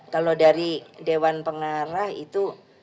kalau dari dewan pengarah itu